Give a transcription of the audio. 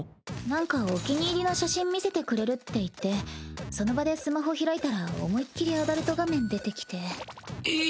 なんかお気に入りの写真見せてくれるっていってその場でスマホ開いたら思いっ切りアダルト画面出てきて。